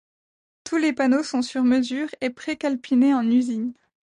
Tous les panneaux sont sur-mesure et pré-calepinés en usine.